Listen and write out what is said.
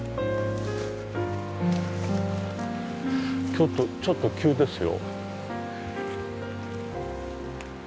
ちょっとちょっと急ですよ。